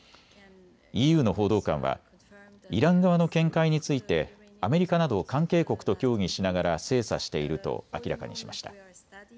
ＥＵの報道官はイラン側の見解についてアメリカなど関係国と協議しながら精査していると明らかにしました。